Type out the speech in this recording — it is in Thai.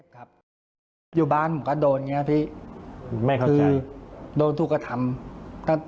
ครับอยู่บ้านผมก็โดนอย่างนี้พี่ไม่ครับคือโดนถูกกระทำ